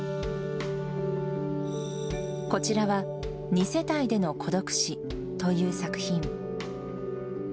こちらは、二世帯での孤独死という作品。